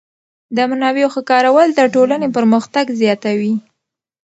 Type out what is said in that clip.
د منابعو ښه کارول د ټولنې پرمختګ زیاتوي.